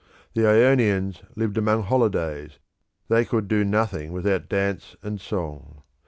The Ionians lived among holidays, they could do nothing without dance and song.